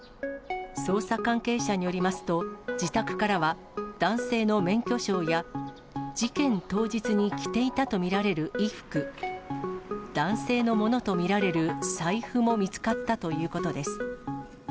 捜査関係者によりますと、自宅からは男性の免許証や、事件当日に着ていたと見られる衣服、男性のものと見られる財布も見つかったということです。